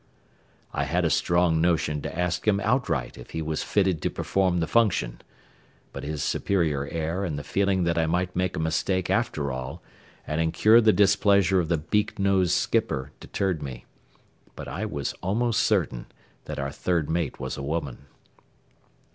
I had a strong notion to ask him outright if he was fitted to perform the function, but his superior air and the feeling that I might make a mistake after all and incur the displeasure of the beak nosed skipper deterred me. But I was almost certain that our third mate was a woman.